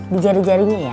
di jari jarinya ya